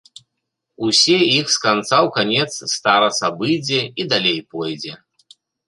Усе іх з канца ў канец старац абыдзе і далей пойдзе.